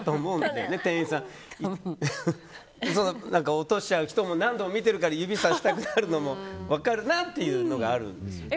落としちゃう人も何度も見てるから指さしたくなるのも分かるなっていうのがあるんですよね。